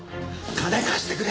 金貸してくれ！